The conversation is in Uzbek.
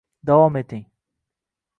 davom eting👇👇👇